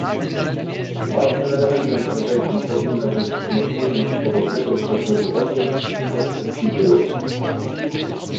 Ważnym elementem strategii powinno być wzmocnienie swobodnego przepływu osób, i to wszystkich grup